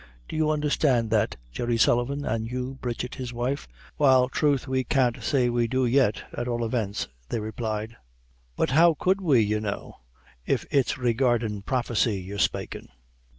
Do you understand that, Jerry Sullivan, an' you Bridget, his wife?" "Well, troth we can't say we do yet, at all events," they replied; "but how could we, ye know, if it's regardin' prophecy you're spakin'."